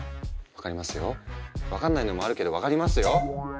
分かりますよ分かんないのもあるけど分かりますよ。